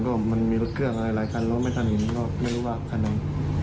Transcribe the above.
ก็มันมีรถเครื่องอะไรหลายคันเราไม่ทันเห็นก็ไม่รู้ว่าคันไหน